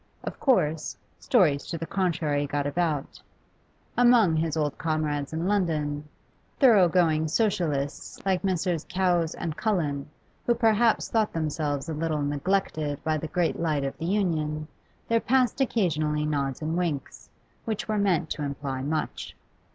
Of course, stories to the contrary got about; among his old comrades in London, thoroughgoing Socialists like Messrs. Cowes and Cullen, who perhaps thought themselves a little neglected by the great light of the Union, there passed occasionally nods and winks, which were meant to imply much.